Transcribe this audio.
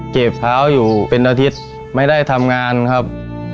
บเท้าอยู่เป็นอาทิตย์ไม่ได้ทำงานครับ